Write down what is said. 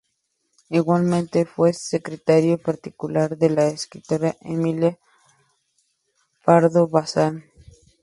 Igualmente, fue secretario particular de la escritora Emilia Pardo Bazán.